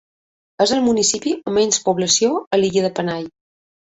És el municipi amb menys població a l'illa de Panay.